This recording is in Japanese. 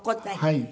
はい。